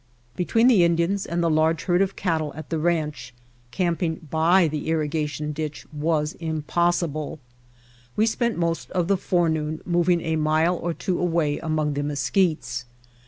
Between the Indians and the large herd of cattle at the ranch, camping by the irri ^ gation ditch was impossible. We spent most of the forenoon moving a mile or two away [.i8] Strangest Farm in the World among the mesquites.